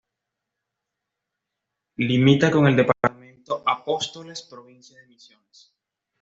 Limita con el departamento Apóstoles, provincia de Misiones.